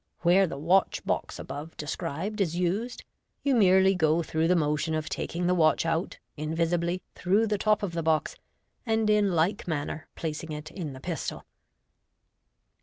Where the watch box, above described, is used, you merely go through the motion of taking the watch out, invisibly, through the top of the box, and in like manner placing it in the pistol.